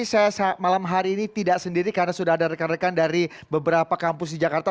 saya malam hari ini tidak sendiri karena sudah ada rekan rekan dari beberapa kampus di jakarta